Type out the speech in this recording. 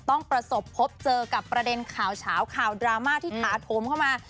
ต้องประสบพบเจอกับประเด็นข่าวเฉาข่าวดราม่าที่ถาโถมเข้ามา